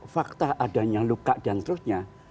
fakta adanya luka dan seterusnya